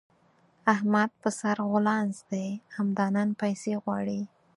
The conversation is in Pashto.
احمد په سره غولانځ دی؛ همدا نن پيسې غواړي.